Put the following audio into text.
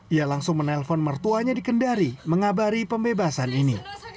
ia langsung menelpon mertuanya di kendari mengabari pembebasan ini